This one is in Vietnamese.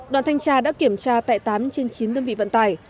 đoàn thanh tra đã kiểm tra tại tám trên chín đơn vị vận tải